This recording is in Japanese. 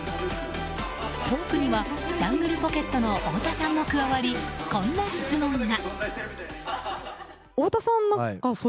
トークにはジャングルポケットの太田さんも加わりこんな質問が。